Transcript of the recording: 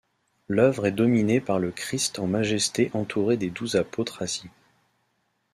L'œuvre est dominée par le Christ en majesté entouré des douze apôtres assis.